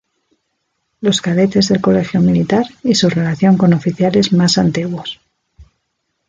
Los cadetes del Colegio Militar y su relación con oficiales más antiguos.